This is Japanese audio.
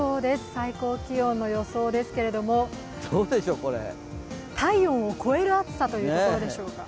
最高気温の予想ですけれども、体温を超える暑さといったところでしょうか。